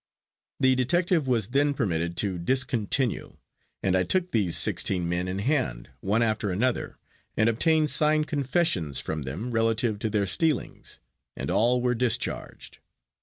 The detective was then permitted to discontinue, and I took these sixteen men in hand, one after another, and obtained signed confessions from them relative to their stealings, and all were discharged.